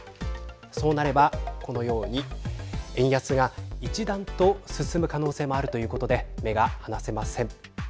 そうなれば、このように円安が一段と進む可能性もあるということで目が離せません。